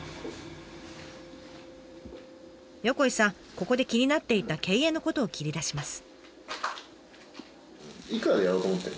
ここで気になっていた経営のことを切り出します。